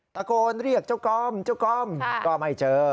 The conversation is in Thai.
ตะโกนเรียกเจ้าก้อมเจ้าก้อมก็ไม่เจอ